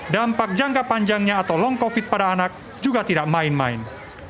dampak jangka panjangnya atau long covid pada anak juga tidak main main